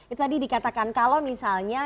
itu tadi dikatakan kalau misalnya